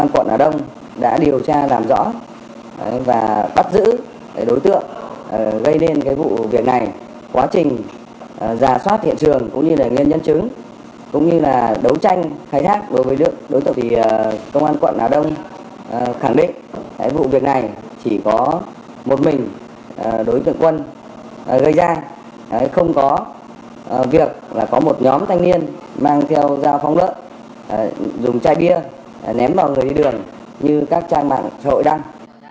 công an quận hà đông khẳng định vụ việc này chỉ có một mình đối tượng quân gây ra không có việc là có một nhóm thanh niên mang theo dao phóng lỡ dùng chai bia ném vào người đi đường như các trang báo xã hội đang